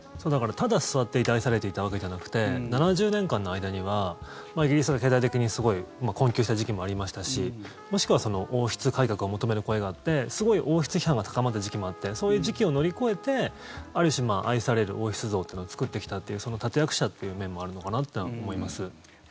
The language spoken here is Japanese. ただ座って愛されていたわけじゃなくて７０年間の間にはイギリスが経済的にすごい困窮した時期もありましたしもしくは王室改革を求める声があってすごい王室批判が高まった時期もあってそういう時期を乗り越えてある種、愛される王室像を作ってきたというその立役者という面もあるのかなとは思います。